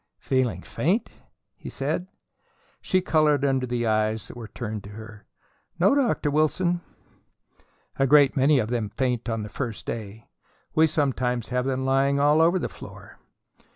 "Feeling faint?" he said. She colored under the eyes that were turned on her. "No, Dr. Wilson." "A great many of them faint on the first day. We sometimes have them lying all over the floor."